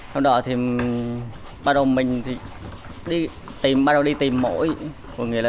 lúc đó thì bắt đầu mình đi tìm mỗi